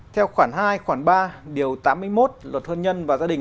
theo khoản hai khoảng ba điều tám mươi một luật hôn nhân và gia đình